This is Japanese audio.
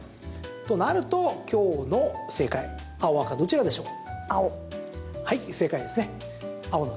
となると、今日の正解青、赤どちらでしょう？